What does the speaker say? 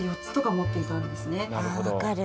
あ分かる。